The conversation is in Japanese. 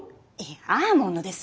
アーモンドです！